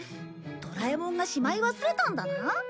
ドラえもんがしまい忘れたんだな。